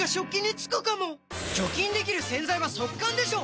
除菌できる洗剤は速乾でしょ！